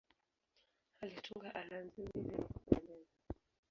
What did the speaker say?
Alitunga ala nzuri zenye kupendeza.